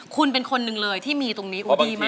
คุณเป็นคนหนึ่งเลยที่มีตรงนี้ดีมาก